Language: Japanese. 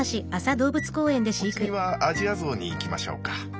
お次はアジアゾウにいきましょうか。